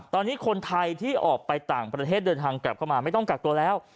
ตอนนี้คนไทยที่ออกไปต่างประเทศเดินทางกลับเข้ามาไม่ต้องกักตัวแล้ว